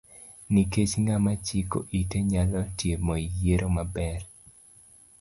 Nikech ng'ama chiko ite nyalo timo yiero maber.